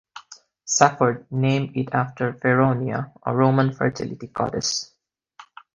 Safford named it after Feronia, a Roman fertility goddess.